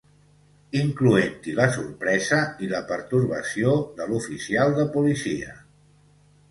incloent-hi la sorpresa i la pertorbació de l'oficial de policia